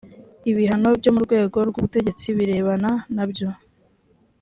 ibihano byo mu rwego rw ubutegetsi birebana nabyo